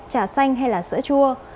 trà xanh hay là sữa chua